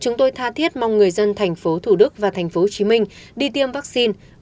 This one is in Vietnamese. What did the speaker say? chúng tôi tha thiết mong người dân tp hcm và tp hcm đi tiêm vaccine